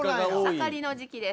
盛りの時期です。